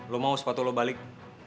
lo mau sepatu lo balik